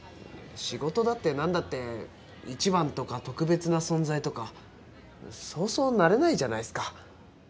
仕事だって何だって一番とか特別な存在とかそうそうなれないじゃないっすか。